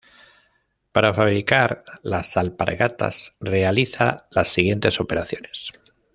Para fabricar las alpargatas realiza las siguientes operaciones.